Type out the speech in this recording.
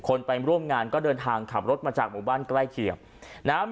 ไปร่วมงานก็เดินทางขับรถมาจากหมู่บ้านใกล้เคียงนะฮะ